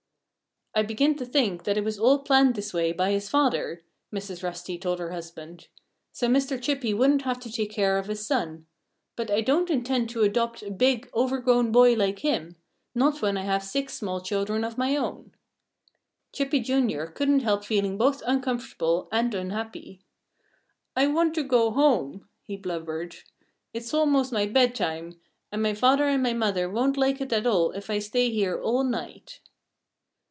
"I begin to think that it was all planned this way by his father," Mrs. Rusty told her husband, "so Mr. Chippy wouldn't have to take care of his son. But I don't intend to adopt a big, overgrown boy like him not when I have six small children of my own!" Chippy, Jr., couldn't help feeling both uncomfortable and unhappy. "I want to go home!" he blubbered. "It's almost my bedtime. And my father and my mother won't like it at all if I stay here all night."